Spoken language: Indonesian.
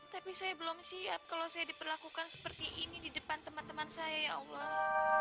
tapi saya belum siap kalau saya diperlakukan seperti ini di depan teman teman saya ya allah